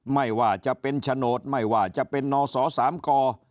ไม่ว่าจะเป็นฉโนทไม่ว่าจะเป็นนรศอสามก